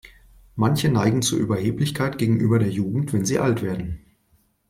Manche neigen zu Überheblichkeit gegenüber der Jugend, wenn sie alt werden.